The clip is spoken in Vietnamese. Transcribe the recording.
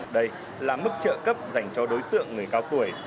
đây là mức trợ cấp dành cho đối tượng người cao tuổi